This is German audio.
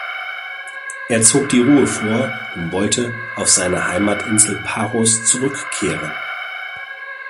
Er zog die Ruhe vor und wollte auf seine Heimatinsel Paros zurückkehren.